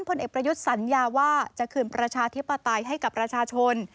ผลเอกประยุทธ์สัญญาว่าจะคืนประชาธิปไตยให้กับประชาชน